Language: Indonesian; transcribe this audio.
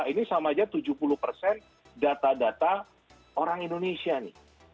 ini sama aja tujuh puluh persen data data orang indonesia nih